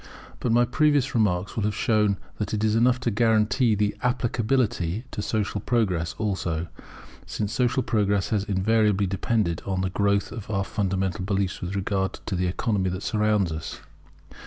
But my previous remarks will have shown that this is enough to guarantee its applicability to social progress also; since social progress has invariably depended on the growth of our fundamental beliefs with regard to the economy that surrounds us.